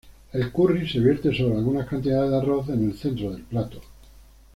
El "curry" se vierte sobre alguna cantidad de arroz en el centro del plato.